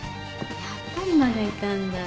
やっぱりまだいたんだ。